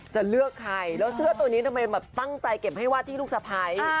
จะเลือกใครแล้วเสื้อตัวนี้ทำไมแบบตั้งใจเก็บให้วาดที่ลูกสะพ้าย